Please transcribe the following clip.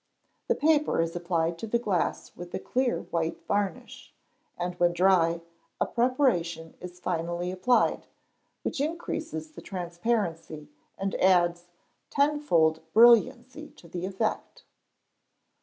The paper is applied to the glass with a clear white varnish, and when dry, a preparation is finally applied, which increases the transparency, and adds tenfold brilliancy to the effect.